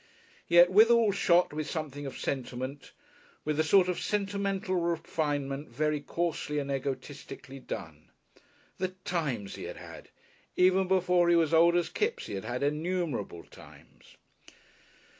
Yet withal shot with something of sentiment, with a sort of sentimental refinement very coarsely and egotistically done. The Times he had had! even before he was as old as Kipps he had had innumerable times.